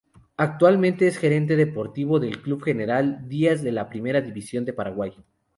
Actualmente es Gerente Deportivo del Club General Díaz de la Primera División de Paraguay.